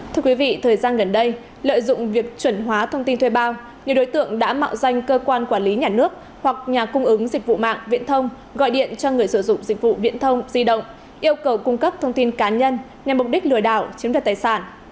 thưa quý vị thời gian gần đây lợi dụng việc chuẩn hóa thông tin thuê bao nhiều đối tượng đã mạo danh cơ quan quản lý nhà nước hoặc nhà cung ứng dịch vụ mạng viễn thông gọi điện cho người sử dụng dịch vụ viễn thông di động yêu cầu cung cấp thông tin cá nhân nhằm mục đích lừa đảo chiếm đoạt tài sản